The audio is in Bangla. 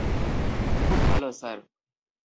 খুব ভালো, স্যার।